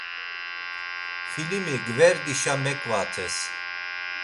Filimi gverdişe meǩvates.